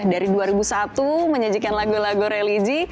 dari dua ribu satu menyajikan lagu lagu religi